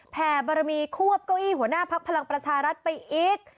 แบรมีควบเก้าอี้หัวหน้าพักพลังประชารัฐไปอีก